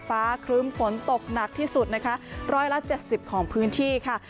ครึ้มฝนตกหนักที่สุดนะคะ๑๗๐ของพื้นที่ค่ะ